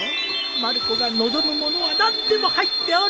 まる子が望むものは何でも入っておるよ。